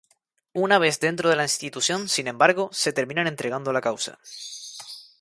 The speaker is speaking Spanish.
Una vez dentro de la institución, sin embargo, se terminan entregando a la causa.